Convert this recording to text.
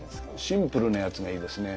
シンプルなやつがいいですね。